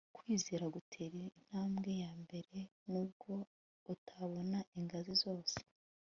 kwizera gutera intambwe yambere, nubwo utabona ingazi zose